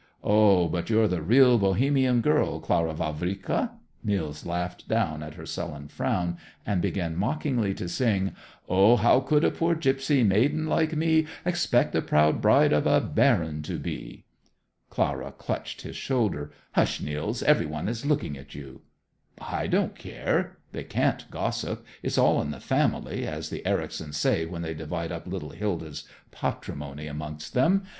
Oh, but you're the real Bohemian Girl, Clara Vavrika!" Nils laughed down at her sullen frown and began mockingly to sing: "Oh, how could a poor gypsy maiden like me Expect the proud bride of a baron to be?" Clara clutched his shoulder. "Hush, Nils; every one is looking at you." "I don't care. They can't gossip. It's all in the family, as the Ericsons say when they divide up little Hilda's patrimony amongst them.